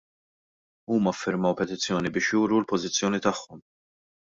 Huma ffirmaw petizzjoni biex juru l-pożizzjoni tagħhom.